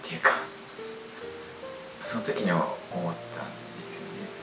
その時に思ったんですよね。